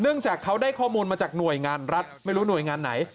จากเขาได้ข้อมูลมาจากหน่วยงานรัฐไม่รู้หน่วยงานไหน